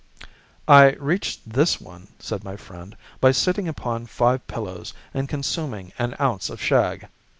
"I reached this one," said my friend, "by sitting upon five pillows and consuming an ounce of shag.